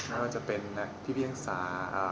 ก็จะเป็นพี่นักศึกษา